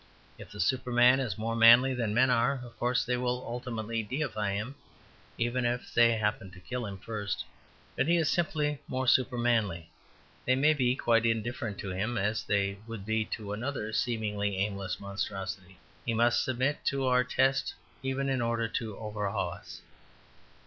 If the Superman is more manly than men are, of course they will ultimately deify him, even if they happen to kill him first. But if he is simply more supermanly, they may be quite indifferent to him as they would be to another seemingly aimless monstrosity. He must submit to our test even in order to overawe us.